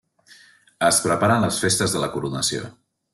Es preparen les festes de la coronació.